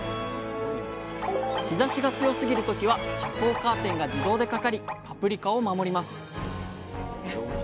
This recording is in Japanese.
日ざしが強すぎる時は遮光カーテンが自動でかかりパプリカを守ります。